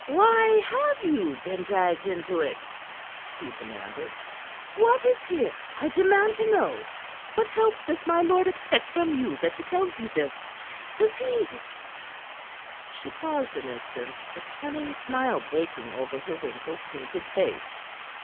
"Why have you been dragged into it?" she demanded. "What is here? I demand to know. What help does my lord expect from you that he tells you this? Does he " She paused an instant, a cunning smile breaking over her wrinkled, painted face.